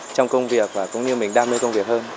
trong công việc và cũng như mình đam mê công việc hơn